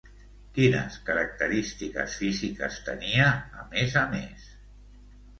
Quines característiques físiques tenia, a més a més?